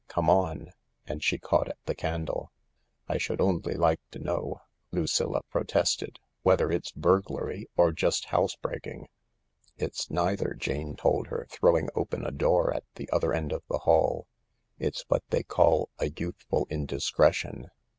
"Come on," and she caught at the candle. " I should only like to know," Lucilla protested, " whether it's burglary or just housebreaking." " It's neither," Jane told her, throwing open a door at the other end of the hall. " It's what they call a youthful indiscretion.